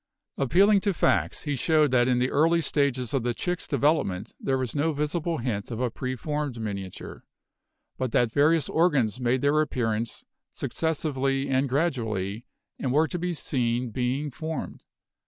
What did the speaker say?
Appealing to facts, he showed that in the early stages of the chick's development there was no visible hint of a preformed miniature, but that various organs made their appearance successively and gradually and were to be seen being formed.